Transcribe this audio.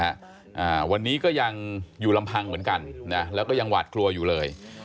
อ่าวันนี้ก็ยังอยู่ลำพังเหมือนกันนะแล้วก็ยังหวาดกลัวอยู่เลย